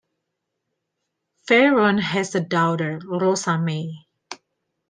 Fearon has a daughter, Rosa May.